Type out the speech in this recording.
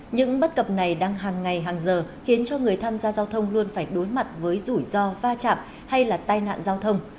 những bất cập này đang hàng ngày hàng giờ khiến cho người tham gia giao thông luôn phải đối mặt với rủi ro va chạm hay là tai nạn giao thông